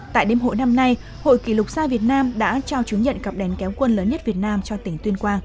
tại đêm hội năm nay hội kỷ lục xa việt nam đã trao chứng nhận cặp đèn kéo quân lớn nhất việt nam cho tỉnh tuyên quang